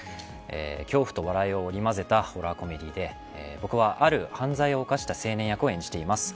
恐怖と笑いを織り交ぜたホラーコメディーで僕は、ある犯罪を犯した青年役を演じています。